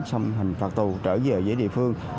xong hình phạt tù trở về ở dưới địa phương